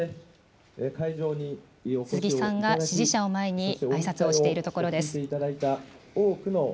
鈴木さんが支持者を前にあいさつをしているところです。